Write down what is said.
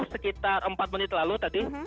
sekitar empat menit lalu tadi